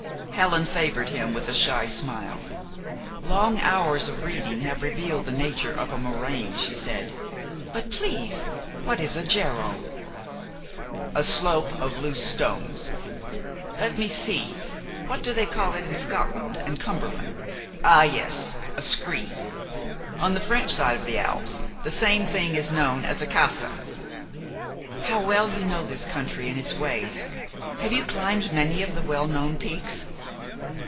Helen favored him with a shy smile. "Long hours of reading have revealed the nature of a moraine," she said; "but, please, what is a geröll?" "A slope of loose stones. Let me see, what do they call it in Scotland and Cumberland? Ah, yes, a scree. On the French side of the Alps the same thing is known as a casse." "How well you know this country and its ways! Have you climbed many of the well known peaks?"